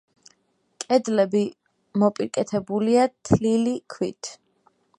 კედლები მოპირკეთებულია თლილი ქვით.